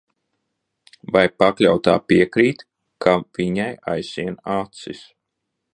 Vai pakļautā piekrīt, ka viņai aizsien acis?